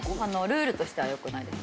ルールとしては良くないですね。